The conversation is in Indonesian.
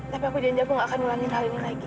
tapi aku janji aku gak akan ngulangin hal ini lagi